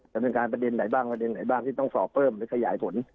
จะเป็นการประเด็นใดบ้างกอะไรบ้างที่ต้องสอบเพิ่มจะขยายผล